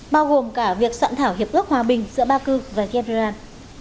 bao gồm cả việc soạn thảo hiệp ước hòa bình giữa baku và gebran